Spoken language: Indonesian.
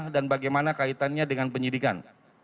dan bagaimana kaitannya dengan penyidikan